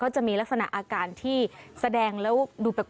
จะมีลักษณะอาการที่แสดงแล้วดูแปลก